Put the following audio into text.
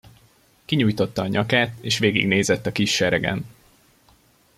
Kinyújtotta a nyakát, és végignézett a kis seregen.